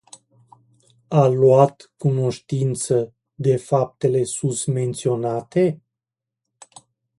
A luat cunoștință de faptele susmenționate?